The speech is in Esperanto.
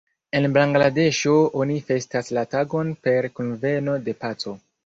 En Bangladeŝo oni festas la tagon per Kunveno de Paco.